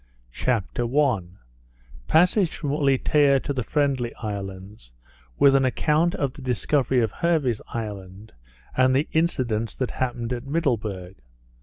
CHAPTER I. _Passage from Ulietea to the Friendly Islands, with an Account of the Discovery of Hervey's Island, and the Incidents that happened at Middleburg.